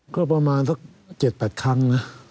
ก็ประมาณสัก๗๘ครั้งนะ